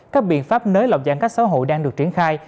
các biện pháp nới lỏng giãn cách xã hội đang được triển khai